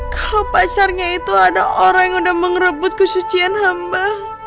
kalau pacarnya itu ada orang yang udah mengerebut kesucian hamba